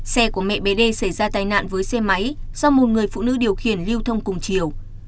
xe của mẹ b xảy ra tai nạn với xe máy do một người phụ nữ điều khiển lưu thông cùng chiều